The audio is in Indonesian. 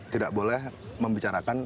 tidak boleh membicarakan